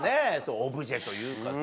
オブジェというかさ。